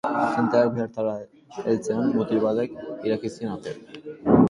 Agenteak bertara heltzean, mutil batek ireki zien atea.